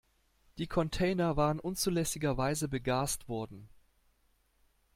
Die Container waren unzulässigerweise begast worden.